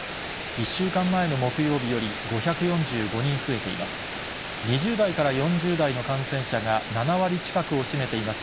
１週間前の木曜日より５４５人増えています。